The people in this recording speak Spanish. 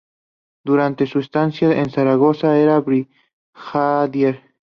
Durante su estancia en Zaragoza era Brigadier.